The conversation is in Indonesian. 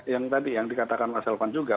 yang tadi yang dikatakan mas elvan juga